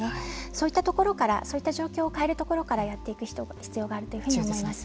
そういったところからそういった状況を変えるところからやっていく必要があるというふうに思っています。